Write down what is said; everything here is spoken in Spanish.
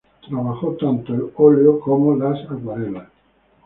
Trabajó tanto óleo como acuarelas.